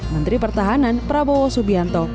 menteri pertahanan prabowo subianto